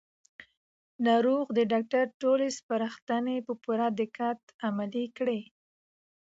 ناروغ د ډاکټر ټولې سپارښتنې په پوره دقت عملي کړې